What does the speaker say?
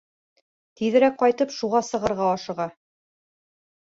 Тиҙерәк ҡайтып шуға сығырға ашыға.